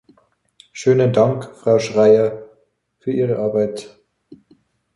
Schönen Dank, Frau Schreyer, für Ihre Arbeit!